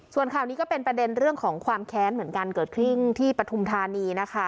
ส่วนข่าวนี้ก็เป็นประเด็นเรื่องของความแค้นเหมือนกันเกิดขึ้นที่ปฐุมธานีนะคะ